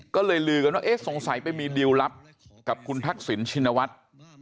ก็เลยลือกันว่าเอ๊ะสงสัยไปมีดิวลลับกับคุณทักษิณชินวัฒน์